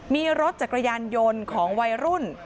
มีรถจักรยานยนต์ของวัยรุ่น